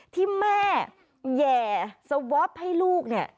ที่แม่แห่สวอปให้ลูกเนี่ย